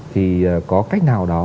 thì có cách nào đó